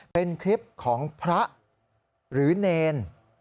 เป็นคลิปของพระหรือเนร